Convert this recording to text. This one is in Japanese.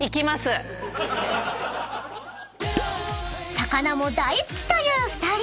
［魚も大好きという２人］